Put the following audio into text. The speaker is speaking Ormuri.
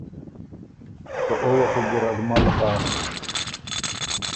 که او وه خه ګیرډ مل هۀ۔